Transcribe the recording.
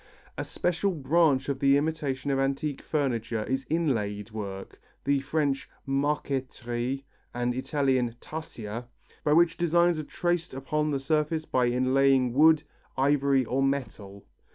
A special branch of the imitation of antique furniture is inlaid work, the French marqueterie and Italian tarsia, by which designs are traced upon the surface by inlaying wood, ivory or metal.